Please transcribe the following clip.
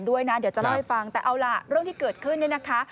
เดี๋ยวจะเล่าให้ฟังแต่เอาล่ะเรื่องที่เกิดขึ้นเนี่ยนะคะ